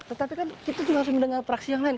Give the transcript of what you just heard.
tetapi kan kita juga harus mendengar praksi yang lain